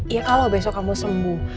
ya kalau besok kamu sembuh